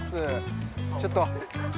ちょっと。